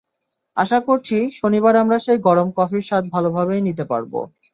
আশা করছি, শনিবার আমরা সেই গরম কফির স্বাদ ভালোভাবেই নিতে পারব।